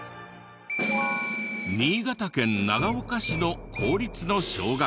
新潟県長岡市の公立の小学校。